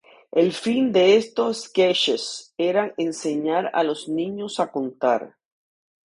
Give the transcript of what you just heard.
El fin de estos sketches era enseñar a los niños a contar.